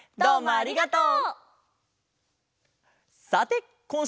ありがとう！